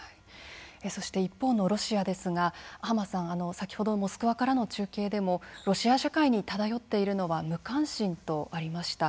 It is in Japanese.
そして一方のロシアですが浜さん、先ほどモスクワからの中継でもロシア社会に漂っているのは無関心とありました。